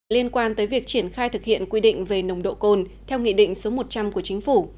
liên quan tới việc triển khai thực hiện quy định về nồng độ cồn theo nghị định số một trăm linh của chính phủ